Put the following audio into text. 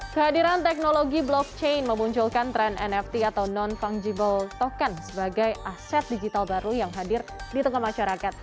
kehadiran teknologi blockchain memunculkan tren nft atau non fungible token sebagai aset digital baru yang hadir di tengah masyarakat